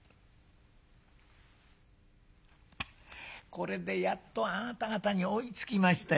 「これでやっとあなた方に追いつきましたよ。